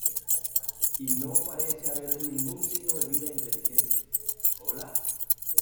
Y no parece haber ningún signo de vida inteligente. ¡ Hola!